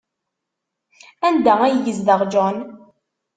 Anda ay yezdeɣ John?